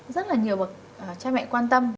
rất là nhiều mà cha mẹ quan tâm